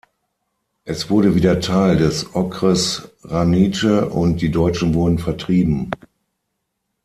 Es wurde wieder Teil des Okres Hranice und die Deutschen wurden vertrieben.